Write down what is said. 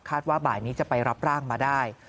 ว่าบ่ายนี้จะไปรับร่างมาได้